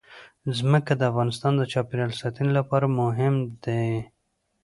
ځمکه د افغانستان د چاپیریال ساتنې لپاره مهم دي.